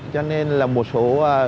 cho nên là một số